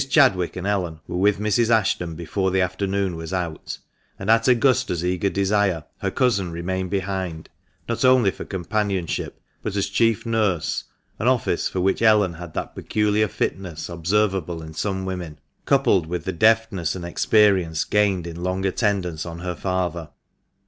Chadwick and Ellen were with Mrs. Ashton before the afternoon was out, and at Augusta's eager desire her cousin remained behind, not only for companionship, but as chief nurse' an office for which Ellen had that peculiar fitness observable in some women, coupled with the deftness and experience gained in long attendance on her father.